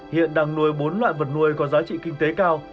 hiện đang nuôi bốn loại vật nuôi có giá trị kinh tế cao